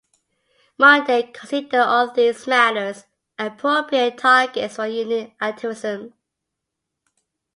Mundey considered all these matters appropriate targets for union activism.